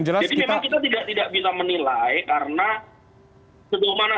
jadi memang kita tidak bisa menilai karena